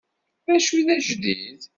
D acu i d ajdid?